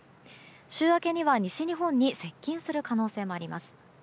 週明けには西日本に接近する可能性もあります。